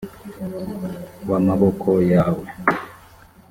w amaboko yawe